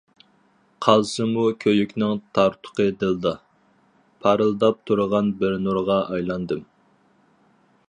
قالسىمۇ كۆيۈكنىڭ تارتۇقى دىلدا، پارىلداپ تۇرغان بىر نۇرغا ئايلاندىم.